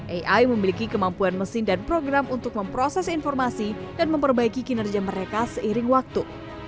ai memiliki kemampuan mesin dan program untuk memproses informasi dan memperbaiki kinerja mereka seiring waktu